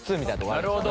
なるほど。